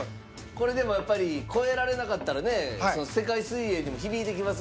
これでもやっぱり超えられなかったらね世界水泳にも響いてきますし。